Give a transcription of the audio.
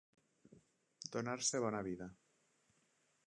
Donar-se bona vida.